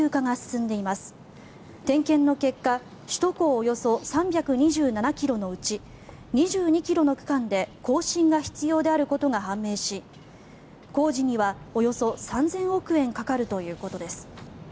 およそ３２７ｋｍのうち２２ｋｍの区間で更新が必要であることが判明し工事にはおよそ３０００億円かかるということです。